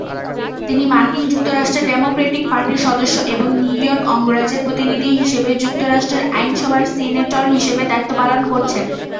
তিনি মার্কিন যুক্তরাষ্ট্রের ডেমোক্র্যাটিক পার্টির সদস্য, এবং নিউ ইয়র্ক অঙ্গরাজ্যের প্রতিনিধি হিসাবে যুক্তরাষ্ট্রের আইনসভার সিনেটর হিসাবে দায়িত্ব পালন করছেন।